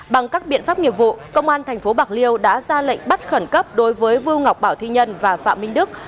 bằng các biện pháp nghiệp vụ công an tp bạc liêu đã ra lệnh bắt khẩn cấp đối với vương ngọc bảo thi nhân và phạm minh đức